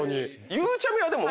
ゆうちゃみはでも。